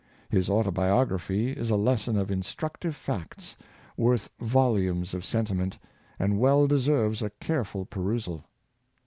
His autobiography is a lesson of instructive facts, worth volumes of sentiment, and well deserves a careful perusal.